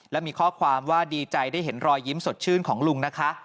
และมีข้อความว่าดีใจได้เห็นรอยยิ้มสดชื่นของลุงนะคะ